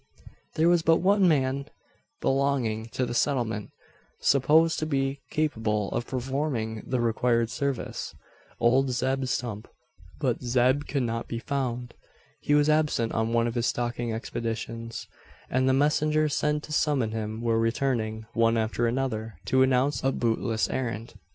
There was but one man belonging to the settlement supposed to be capable of performing the required service old Zeb Stump. But Zeb could not be found. He was absent on one of his stalking expeditions; and the messengers sent to summon him were returning, one after another, to announce a bootless errand.